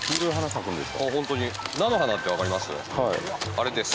あれです。